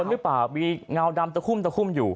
โจรหรือเปล่ามีเงาดำตะคุ่มอยู่